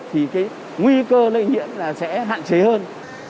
thì cái nguy cơ lây nhiễm là sẽ hạn chế hơn